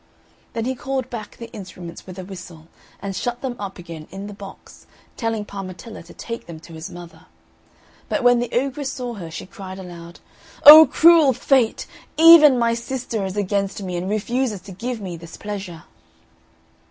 Then he called back the instruments with a whistle, and shut them up again in the box, telling Parmetella to take them to his mother. But when the ogress saw her, she cried aloud, "O cruel fate! even my sister is against me, and refuses to give me this pleasure."